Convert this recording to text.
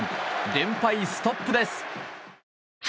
連敗ストップです。